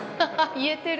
言えてる。